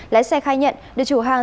lái xe khai nhận được chủ hàng